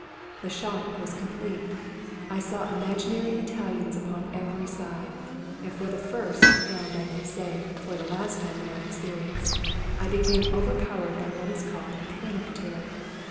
The shock was complete. I saw imaginary Italians upon every side; and for the first, and, I may say, for the last time in my experience, became overpowered by what is called a panic terror.